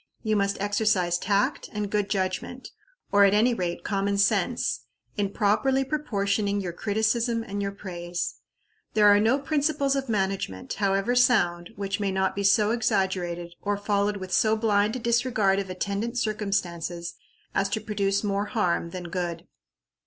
You must exercise tact and good judgment, or at any rate, common sense, in properly proportioning your criticism and your praise. There are no principles of management, however sound, which may not be so exaggerated, or followed with so blind a disregard of attendant circumstances, as to produce more harm than good.